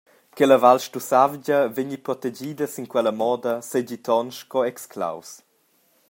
Che la Val Stussavgia vegni protegida sin quella moda seigi ton sco exclaus.